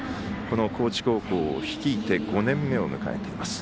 高知高校を率いて５年目を迎えています。